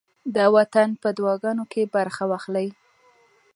د وطن په دعاګانو کې برخه واخلئ.